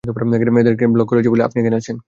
এলেন ব্লককে বলেছি আপনি এখানে আছেন।